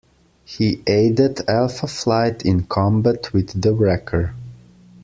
He aided Alpha Flight in combat with the Wrecker.